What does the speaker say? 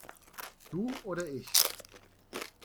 Du oder ich?